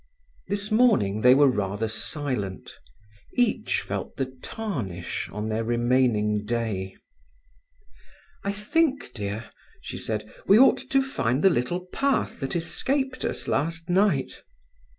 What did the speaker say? This morning they were rather silent. Each felt the tarnish on their remaining day. "I think, dear," she said, "we ought to find the little path that escaped us last night."